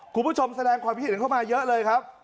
คุณผู้ชมแสดงความคิดเห็นเข้ามาเยอะเลยครับ